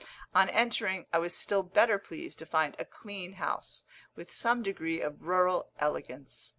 On entering I was still better pleased to find a clean house, with some degree of rural elegance.